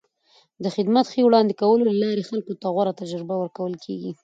د خدمت ښې وړاندې کولو له لارې خلکو ته غوره تجربه ورکول کېږي.